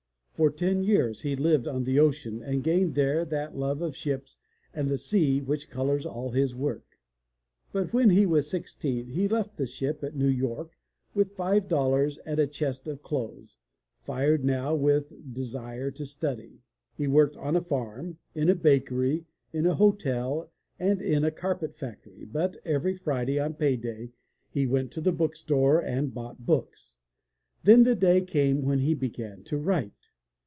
For ten years he lived on the ocean and gained there that love of ships and the sea which colors all his work. But when he was six teen he left the ship at New York with five dollars and a chest of clothes, fired now with desire to study. He worked on a farm, in a bakery, in a hotel, and in a carpet factory, but every Friday on pay day he went to the book store and bought books. Then the day came when he began to write.